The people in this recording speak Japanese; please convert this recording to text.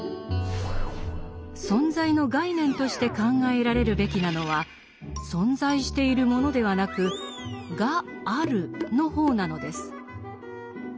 「存在」の概念として考えられるべきなのは「存在しているもの」ではなく「がある」の方なのです。